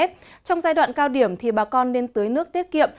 trong giai đoạn cao điểm thì bà con nên tưới nước tiết kiệm